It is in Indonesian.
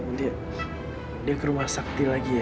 nanti dia ke rumah sakti lagi ya